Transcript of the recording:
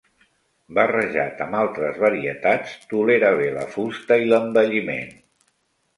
Barrejat amb altres varietats tolera bé la fusta i l'envelliment.